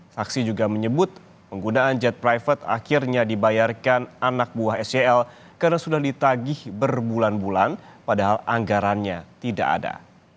saksi juga menyebut penggunaan jet private akhirnya dibayarkan anak buah sel karena sudah ditagih berbulan bulan padahal anggarannya tidak ada